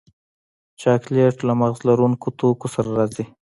چاکلېټ له مغز لرونکو توکو سره راځي.